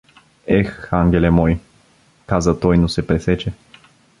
— Ех, ангеле мой — каза той, но се пресече.